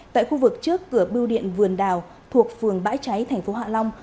tại khu vực trước cửa biêu điện vườn đào thuộc phường bãi cháy tp hạ long